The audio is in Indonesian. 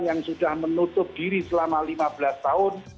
yang sudah menutup diri selama lima belas tahun